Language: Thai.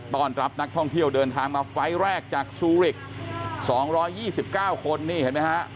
ต้อนรับนักท่องเที่ยวเดินทางมาไฟล์แรกจากซูริกสองร้อยยี่สิบเก้าคนนี่เห็นไหมฮะ